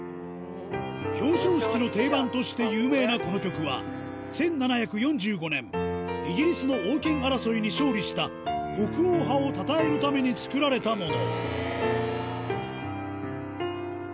表彰式の定番として有名なこの曲は、１７４５年、イギリスの王権争いに勝利した、国王派をたたえるために作られたもの。